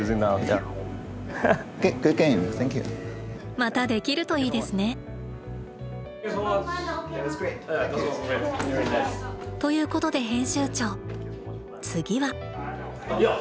またできるといいですね。ということで編集長次は？